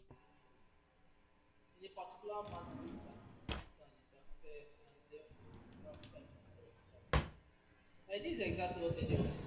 In particular, massive particles can interfere and therefore diffract.